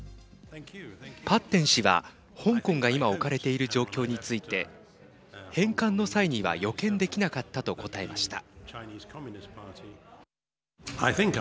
パッテン氏は香港が今、置かれている状況について返還の際には予見できなかったと答えました。